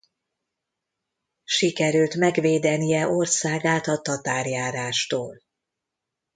Sikerült megvédenie országát a tatárjárástól.